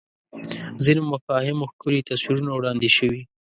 ځینو مفاهیمو ښکلي تصویرونه وړاندې شوي